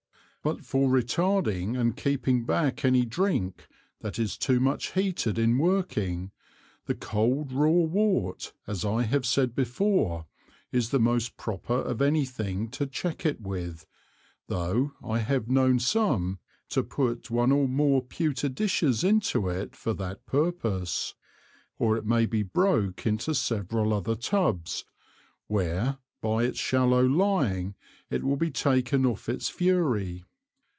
But for retarding and keeping back any Drink that is too much heated in working, the cold raw Wort, as I have said before, is the most proper of any thing to check it with, tho' I have known some to put one or more Pewter Dishes into it for that purpose, or it may be broke into several other Tubs, where by its shallow lying it will be taken off its Fury.